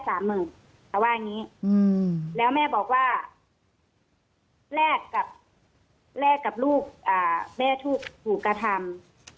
แต่ว่าอย่างนี้แล้วแม่บอกว่าแลกกับลูกแม่ถูกถูกกระทำ